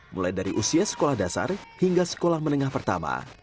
mulai dari usia sekolah dasar hingga sekolah menengah pertama